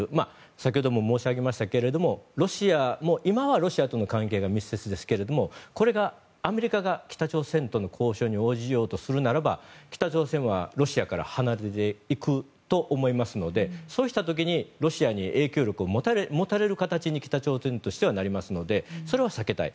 先ほども申し上げましたけど今はロシアとの関係が密接ですけどもアメリカが北朝鮮との交渉に応じようとするならば北朝鮮はロシアから離れていくと思いますのでそうした時にロシアに影響力を持たれる形に北朝鮮としてはなりますのでそれは避けたい。